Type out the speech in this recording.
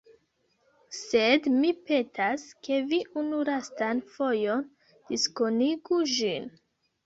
Sed, mi petas, ke vi unu lastan fojon diskonigu ĝin